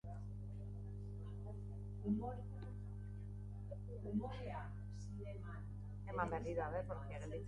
Eta beste hainbat konposatzaile ospetsu.